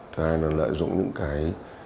thứ hai là lợi dụng những cái